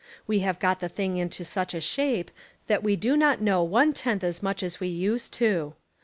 We have got the thing into such a shape that we do not know one tenth as much as we used to.